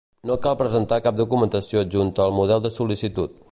No cal presentar cap documentació adjunta al model de sol·licitud.